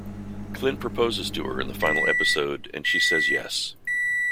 Clint proposes to her in the final episode and she says "yes".